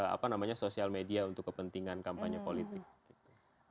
apa namanya sosial media untuk kepentingan kampanye politik gitu